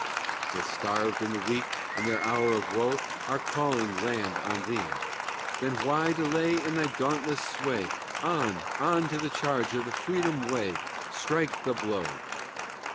The starved and the weak In their hour of woe Are calling, land, on thee; Then why delay in thy dauntless sway? On, on, to the charge of the freedom way, Strike the blow!